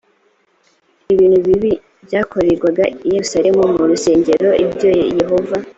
ibintu bibi byakorerwaga i yerusalemu mu rusengero ibyo yehova